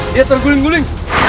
dia terguling guling